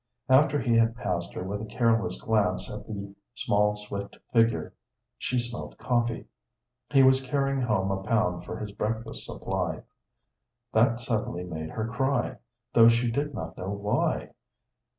After he had passed her with a careless glance at the small, swift figure, she smelt coffee. He was carrying home a pound for his breakfast supply. That suddenly made her cry, though she did not know why.